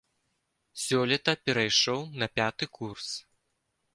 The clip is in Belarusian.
Сёлета перайшоў на пяты курс.